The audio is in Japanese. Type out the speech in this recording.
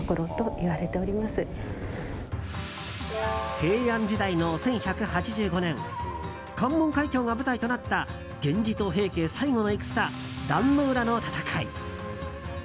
平安時代の１１８５年関門海峡が舞台となった源氏と平家、最後の戦壇ノ浦の戦い。